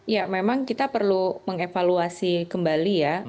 ya memang kita perlu mengevaluasi kembali ya